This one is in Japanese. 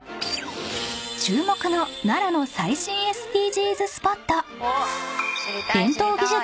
［注目の奈良の最新ＳＤＧｓスポット］